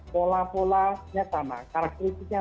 pola polanya sama karakteristiknya